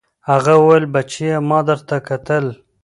هغه وويل بچيه ما درته کتل.